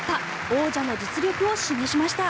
王者の実力を示しました。